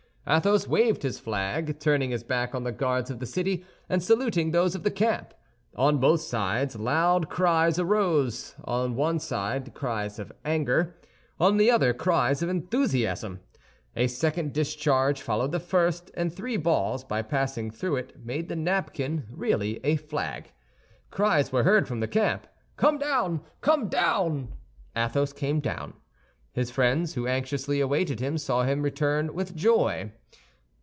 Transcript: Athos waved his flag, turning his back on the guards of the city, and saluting those of the camp. On both sides loud cries arose—on the one side cries of anger, on the other cries of enthusiasm. A second discharge followed the first, and three balls, by passing through it, made the napkin really a flag. Cries were heard from the camp, "Come down! come down!" Athos came down; his friends, who anxiously awaited him, saw him returned with joy.